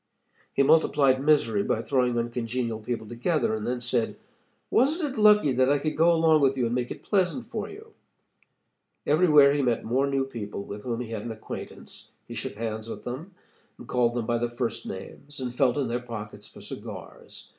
He multiplied misery by throwing uncongenial people together and then said: 'Wasn't it lucky that I could go along with you and make it pleasant for you?' "Everywhere he met more new people with whom he had an acquaintance. He shook hands with them, and called them by their first names, and felt in their pockets for cigars.